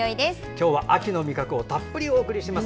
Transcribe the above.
今日は秋の味覚をたっぷりお伝えします。